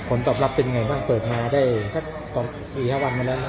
คนตอบรับเป็นไงบ้างเปิดงานได้๔๕วันแม่ละ